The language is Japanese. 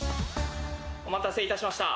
お待たせいたしました。